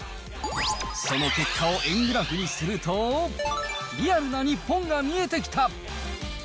その結果を円グラフにすると、リアルな日本が見えてきた。